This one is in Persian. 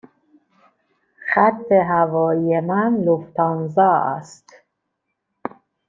خط هوایی من لوفتانزا است.